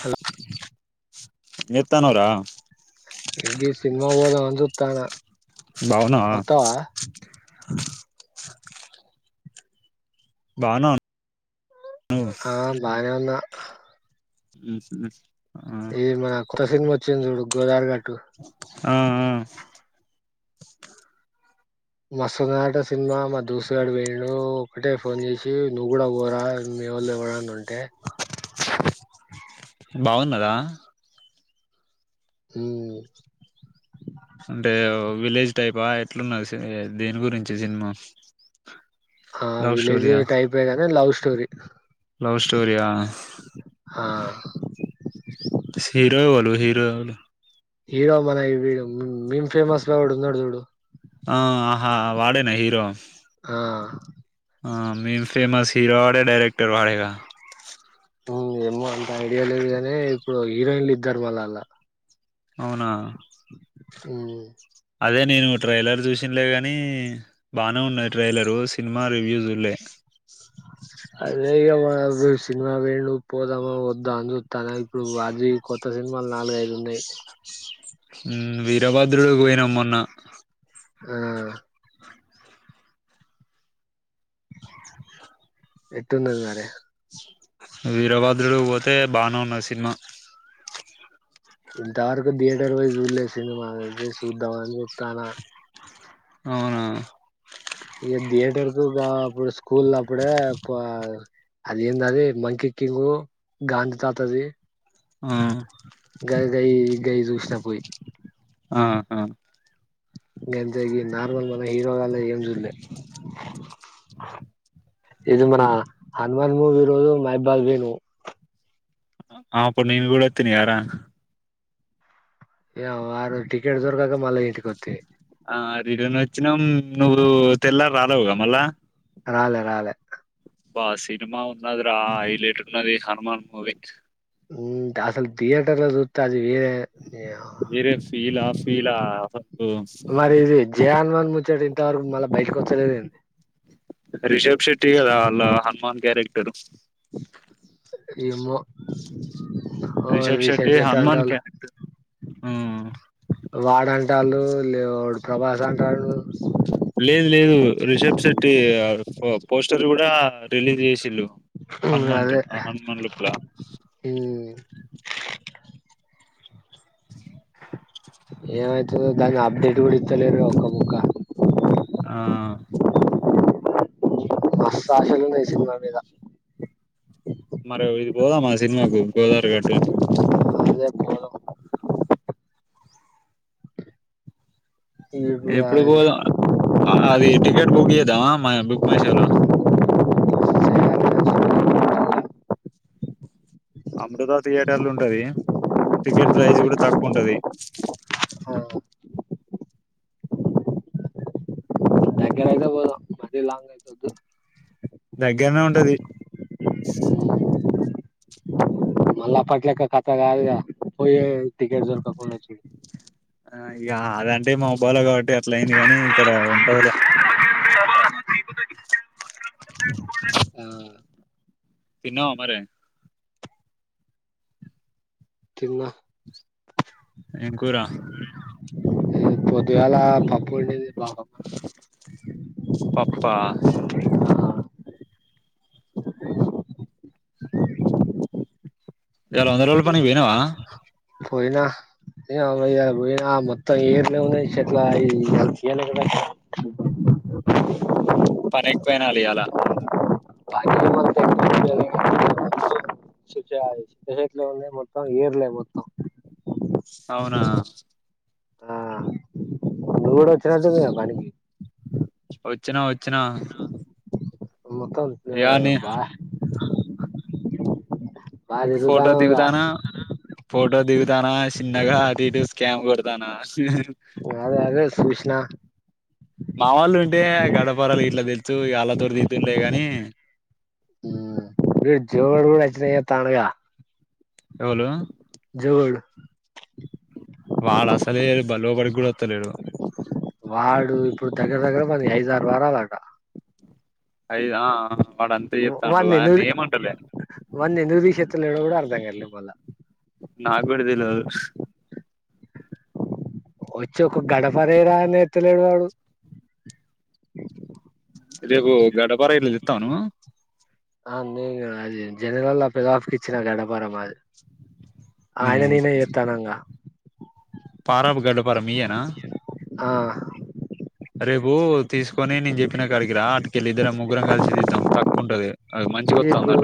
Hello ఎంచేత్తానవురా ఇ గీ సినిమాకు పోదాం అని చు అత్తానా బాగున్నవా బానాన్ ఆ బాగనే ఉన్న ఆ గస గస ఏ మన కొత్త సీన్మాత్ ఇచ్చిన్ జూడు గోదావర్ గట్ ఆ ఆ మాస్తున్నదట సినిమా మా దోస్తుగాడు పొఇండు ఒకటే ఫోన్ చేసి నువ్వు కూడా పోరా మీ వాళ్ళు ఇవ్వలన్న ఉం టే బాగున్నదా ఊ అంటే విలేజ్ టైపా ఎట్లున్నది సి దేని గురించి సినిమా ఆ లవ్ విలేజ్ స్టోరియా టైప్ గని లవ్ స్టోరీ లవ్ స్టోరియా ఆ హీరో ఎవలు హీరో హీరో మన మేమ్ ఫేమస్ ఒకడు ఉన్నడు చూడు ఆ ఆహా వాడేనా హీరో ఆ ఆ మేమ్ ఫేమస్ హిరో వాడే డైరక్టర్ వాడేగా ఏమో అంత ఐడియా లేదు కానీ ఇప్పుడు హీరోయిన్లు ఇద్దారు మళ్ళ అండ్ల అవునా ఊ అదే నేను ట్రైలర్ చూసినలే కానీ బాగానే ఉన్నాయి ట్రైలరు సినిమా రివ్యూస్లే అదే ఇక సినిమా వేండు పోదాము వద్దాం అని చూస్తాను ఇప్పుడు అజీ కొత్త సినిమాలు నాలుగైదు ఉన్నాయి వీరభద్రుడు పోయినా మొన్న ఆ ఎటుందది వర వీరభద్రుడు పోతే బానే ఉన్న సినిమా ఇంతవరకు థియేటర్ వై చూలే సినిమా చూద్దాం అని చూప్తాను అవునా ఇక థియేటర్ క అప్పుడు స్కూల్ అప్పుడే ఆ అదిేందది మంకీ కింగ్ గాంధి తాతది ఆ గయ్ గయ్ గయి చూ చపు ఆహ గంతె ఈ నార్మల్ మన హీరో వాళ్ళవి ఎంచూల్లే ఇది మన హనుమాన్ మూవీ లో మైబాగవి ను ఆ పండు ను కూడా తినేయరా య ఆరు టికెట్ దొరకక మల్లా ఈడికొత్తి ఆ రిటన్ వచ్చినామ్ నువ్వు తెల్లారి రాలేవుగా మళ్ళా రాలే రాలె బా సినిమా ఉన్నది రా హైలట్ ఉన్నది హనుమాన్ మూవీ మ్మ్ అసలు థియేటర్ల లో చూత్తే అది వేరే యా. వేరే ఫీలా ఫీలా వస్తు కూర్చొని తింటారు మళ్ళబయటకి వచ్చలేదండి రిషబ్ శెట్టి కదా అలా హనుమాన్ క్యారెక్టరు ఏమో రిషబ్ శెట్టి అంటాన్డు ఉమ్. వాడు అంటాండు వీళ్లేమో ప్రభాస్ అంటాడు లేదు లేదు రిషబ్ శెట్టి పోస్టర్ కూడా రిలీజ్ చేసిండు హ్మ్. హనుమంతు అదే హనుమాన్ లుక్ లా హ్మ్. ఏం వచ్చినా దాని అప్డేట్ ఎవడు ఇత్తలేదు గాకుండా ఒక బొక్క ఆ మస్త్ ఆశలున్నై ఈ సినిమా మీద మర ఇది పోదమా సినిమాకు గోదారు గట్టు రెప్పొదాం ఇప్పుడు ఎప్పుడు అది పోదాం అది టికెట్ బుక్ చేద్దామా మ బుక్ బుక్ షో లో చేయాలి. అమృత థియేటర్లు ఉంటది టికెట్ ప్రైస్ కూడా తక్కువ ఉంటది ఆ తప్పు దగ్గరైతే పోదాం. మరీ లాంగ్ అయితే దగ్గరనే ఉంటది మళ్లా పట్లక్క కతగాదు గా పోయి టికెట్ దొరక్కుండా వచ్చి ఆ య ఆ అదంటే మాబాలో కాబట్టి అట్లయింది కానీ ఇక్కడ ఉండదు లే ఆ తిన్నావా మరి తిన్నా ఏం కూరా పొద్దుగాల పప్ ప్పు ఒడింది మా అమ్మా పప్పా ఆ ఇయలా వంద రోజుల పనికి పోయినవా. పోయినా. ఇగా ఇయల పోయినా మొత్తం ఏర్లే ఉన్నయి చెట్లా ఏరలేక సచ్చిన పని ఎక్కువయినాదియాలా మంత శిక్ష అది పెరట్లోనే మొత్తం ఏర్లే మొత్తం. అవునా ఆ నువ్వు కూడా వచ్చినట్టుందిగా పనికి వచ్చిన వచ్చినా. మొత్తం ఇగ నే బా బాగా ఫోటో తిరుగుతానవుగా దిగుతానా ఫోటో దిగుతానా స్ చిన్నగా అటు ఇటు స్కామ్ కొడతానా. క [inaudible] చూస్నా మా వాళ్ళు ఉంటే, గడ్డపారలు గిట్ల తెచ్చూ ఇగ ఆళ్ళ తోటి దీతున్లే గా వీడు జోగుడు కూడా వచ్చిన చేత్తాండుగా ఎవళూ జువ్వోళ్ళు వాడ్ అసలే బ లోపడికి గూడ వత్తలేడు. వాడు ఇప్పుడు దగ్గర దగ్గర పది ఐదు ఆరు వారాలట. ఐదుఆ వాన్నెందుకు తీ వాన్నెందుకు తీశేత్తలేడో కూడా అర్థం కాట్లేదు మళ్ళ. నాక్కూడతెలవదు. వచ్చి ఒక గడ్డపారెయ్యిరా అంటే ఏత్తలేడు వాడు. రేపూ గడ్డపార గిట్ల తెత్తవా నువ్వు. ఆ నేను అది జనగావుల్లా పెద్దబాపు కి ఇచ్చిన గడ్డపార మాది. నీ ఆయన నేనే చేతానంగా. పారబ్ గడ్డపార మీయేనా. ఆ రేపూ తీసుకొని నేన్ చెప్పిన కాడికిరా, అటుకెళ్ళి ఇద్దరం ముగ్గురం కలిసితీద్దాం తక్కువుంటది. ఇప్పుడూ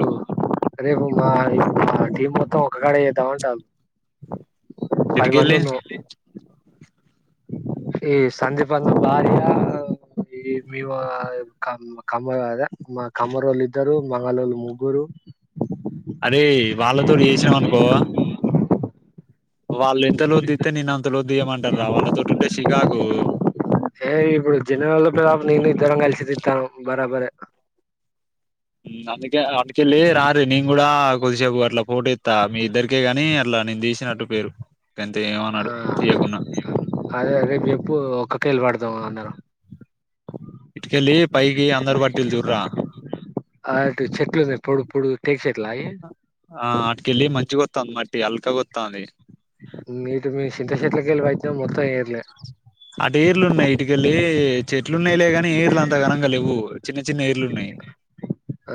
రేపు మా ఇప్పు మా టీమ్ ఒక్కకాడ చేద్దాం అంటాన్లు. పది మంది ఇటుకెళ్ళి ఉన్నం. ఈ సందీప్ అన్న భార్యా ఆ ఈ మీవా క కమ్మ అద మా కమ్మరోల్ ఇద్దరు, మంగళోల్ ముగ్గురూ. అరే వాళ్ళతోటి చేసినాం అనుకో వాళ్ళు ఎంతలోత్ దిగితే నిన్ అంతలోత్ దిగమంటర్రా, వాళ్ళతోటి ఉంటే షికాకూ. ఏ ఇపుడు జనగావుల పెద్దబాపు నేను ఇద్దరం కలిసి దిగుతానం బరాబరే. ఉమ్ అందుకే అంటుకెళ్ళీ రారి నేన్ గూడా కొదిసేపు అట్ల. వోట్ ఏత్తా మీ ఇద్దరికే గానీ లా నేను తీసినట్టు పేరు గంతే ఏమనడు ఆ తీయకున్నా అదే రేపు చెప్పు ఒక్కక్కేళ్ళి పడదం అందరం ఇట్కెళ్లి పైకి అందరు బట్టిళ్ళు చూడ్రా అటు చెట్లు ఉన్నాయి పొడు పొడుగు టేక్ చెట్ ఆ ఆట్కిెళ్ళలి మంచిిగా వాతంది మ ట్టి ఆల్కగా వాతంది మీ ఇటు మీ చింత చెట్ల కేళి పట్టినం మొత్తం ఎర్లే చెట్లు ఉన్నాయిలేగానీ ఏర్లు అంత ఘనంగా లేవు చిన్న చిన్న ఏర్లు ఉన్నాయి ఆ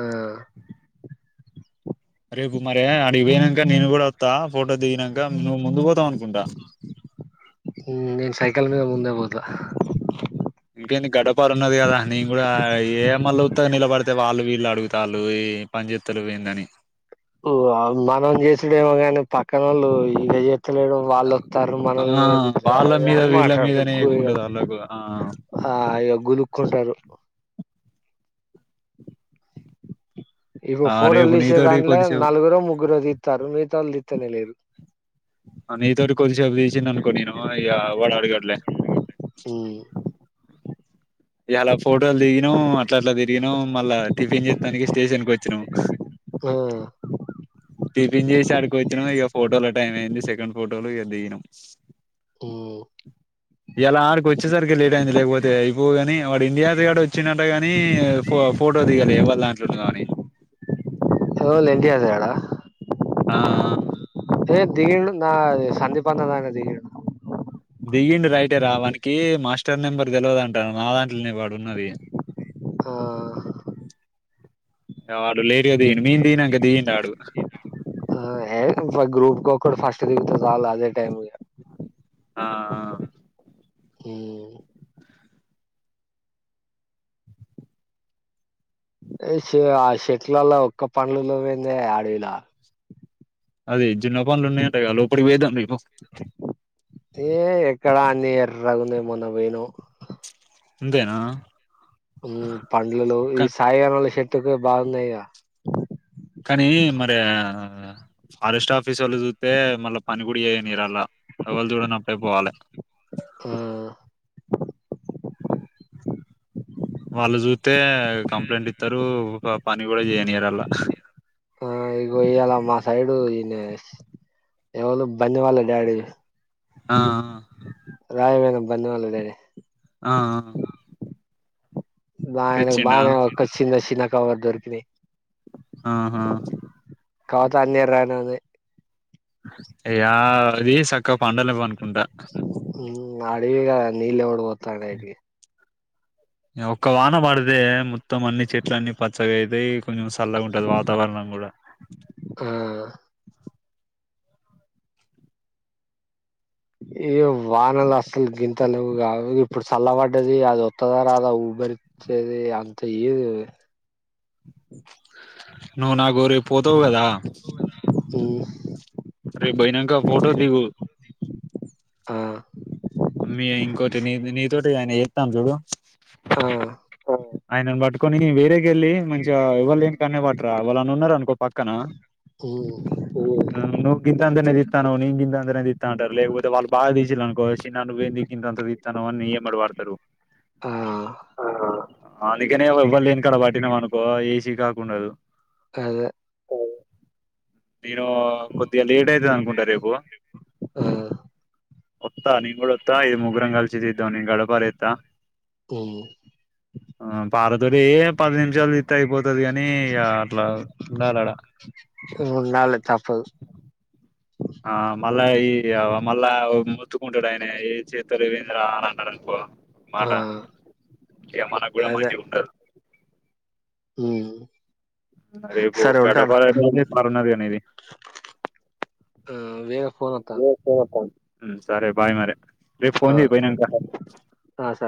రేపు మరి ఆడికి పోయినక్కా నేను కూడా వసత్త ఫోటో దిగినక నువ్వు ముందు పోతావు అనుకుంటా నేను సైకల్ మీద ముందే పోత త ఏందీ గడ్డ పరున్నది కదా నిను కూడా ఏ మళ్ల ఉత్తగా నిలబడుతే అయితే వాళ్ళు వీళ్ళు అడుగుతాళ్ళు ఈ పనిచత్తలేవు ఏందీ అని మనం చేసడేమోగాని పక్క క్కనోళ్లు ఈయన చేత్తలేడు వాళ్ళుొస్తారు ఆ మనల్ని ఎంత వాళ్ళ అది ఇది మీద అని వీళ్ళ మీదనే మాట్లాడుతారు ఇగా ఎక్కువుంటది వాళ్ళకు ఆ ఆ ఇగ గులుకుంటారు ఇగో ఆ ఫోటోలు రేపు తీసే నీతోటి దండ్ల కొద్దిసేపు నలుగురు ముగ్గురో తిత్తర్రు మిగతాళ్ళు తీత్తనే లేరు ఆ నీతోటి కొద్దిసేపు తీసిననుకో నిను ఇగా ఇవ్వడడుగడులే హు ఇయ్యాలా ఫోటోలు దిగినం అట్ల అట్లా తిరిగినం మళ్ళా టిఫిన్ చేస్తానికి స్టేషన్ కు వచ్చా ఆ పిపించన్ చేసి అడికి వచ్చినం ఇక ఫోటోల టైం అయింది సెకండ్ ఫోటోలు ఇగ దిగినం ఉమ్ ఇయ్యాల ఆడికి వచ్చేసరికి లేట్ అయింది లేకపోతే అయిపోవుగాని వాడు ఇండియాస్ గాడు వచ్చిండు అట గాని ఫోటో దిగాలె ఎవరి దాంట్లో ఉన్నదొ అనీ ఎవలు ఎంటియాసు గడా ఆ ఏ దిగిండు నా సందీప్ అన్న దాంట్ల దిగిండు దిగిండు రైటే రా వానికి మాస్టర్ నెంబర్ తెలవాదాంట్ట నా దాంట్లోనే వాడు ఉన్నది ఆ య వాడు లేటుగా దిగిండు మేమ్ దిగిన్నక్క దిగిండు వాడు ఏ గ్రూప్ కొకడు ఫాస్ట్ దిగితే చాలు అదే టైమ్ ఆ ఆ హ్ ఏ శివ చెట్లల్ల ఒక్క పండ్లు లేవే ఏందయ్యా అడవిలా అది చిన్న పండ్లు ఉన్నాయంట కా లోపలికి పోదాం ఏ ఇక్కడ అన్ని ఎర్రగా ఉన్నాయి మొన్న పోయినమ్ అంతేనా హ్ పండ్లలో ఈ కా సాయి గాని చెట్ ఇవే బాగున్నాయి కానీ మరి ఫారెస్ట్ ఆఫీస్ వాళ్ళు చూస్తే మళ్ళా పని కూడా చేయానియరు అల్లా ఎవలు చూడనప్పుడే పోవాల ఆ వాళ్లు జూ అంతే కంప్లీట్ ఇస్తారు పని కూడా చేయం ఆ ఇగో ఈయ్యల మా సైడు ఎస్ ఎవలు బన్నీ వాళ్ళ డాడీ హ ఆ రాయవేద బన్నీ వాళ్ళ డాడీ ఆ ఆయనకు తెచ్చిండా బానే కచ్చినచ్చిన వర్ దొరికినయీ ఆహా కాక పోతే అన్ని ఎర్రగా నే ఉన్నాయి ఏ ఆది సక్క పండ్డలేవు అనుకుంటా ఇగా నీళ్లు ఎవడు పోత త అడికి ఒక్క వాహన బడదే మ మొత్తము అన్ని చెట్లన్నీ ప సగైతే కొంచెం సల్లగా ఉంటుది వాతావరణం కూడా ఆ! ఏ వానలు అసలు గింతలు కా ఇప్పుడు చల్ల పడ్డది అది వత్తద అదా ఊబరిచ్చేది అంత ఏదు నువ్వు నాకు రేపు పోతావు కదా ఉమ్ అరే బయనాక ఫోటో దిగు ఆ మీ ఇంకోటి నీ నీతోటి ఆయన ఎస్తాను చూడు ఆ! ఆయన బటు కొన్ని వేరే [inaudible] ఉన్నారనుకో పక్కన హ్మ్. నువు గింతంతనే తన్నవ్ నేన్ గింతంతనే టరు లేకపోతే వాళ్ళు బాగా తీసిన్లనుకో నువేంది గింతంత తిత్తనవ్ అని నీ ఏయంబడిపడ్తరు. ఆ! అందుకనే ఎవల్ లేని కాడా పట్టినవ్ అను ఏసీకాకుండదు. కాద నేను కొద్దిగా లేట్ అయితదనుకుంటా రేపూ ఆ! ఓ త్త నేన్ గూడా వత్తా ఇది ముగ్గురం కల్సి చేద్దాం నేన్ గడ్డపారేత్తా హ్ ఆ పారతోటి ఏ పది నిమిషాలు అయిపోతది గాని ఇగ అట్లా ఉండాలడా మూడు నాలు తప్పదు ఆ మళ్ళ ఈ మళ్ళా మొత్తుకుంటడు ఆయన ఏ చేత్తలేవ్ ఎందిరా అని అన్నడ్ అనుకో ఆ! మాట ఇగ మన గుడా మంచిగుండదు హ్ రేపు గడ్డపార ఉన్నదిగా నీది ఫోన్ అత్తంది సరే బాయ్ మరి రేప్ ఆ! ఫోన్ చేయి పోయినంక ఆ! సరే.